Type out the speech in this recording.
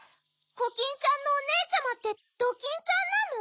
コキンちゃんのおねえちゃまってドキンちゃんなの？